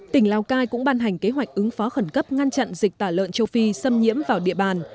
tỉnh lào cai cũng ban hành kế hoạch ứng phó khẩn cấp ngăn chặn dịch tả lợn châu phi xâm nhiễm vào địa bàn